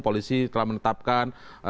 polisi telah menetapkan